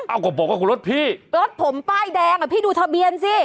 ก็บอกว่ารถพี่รถผมป้ายแดงอ่ะพี่ดูทะเบียนสิ